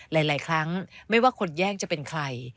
หลายครั้งไม่ว่าคนแย่งจะเป็นใคร